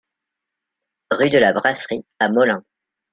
Rue de la Brasserie à Molain